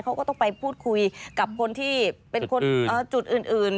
เขาก็ต้องไปพูดคุยกับคนที่เป็นคนจุดอื่น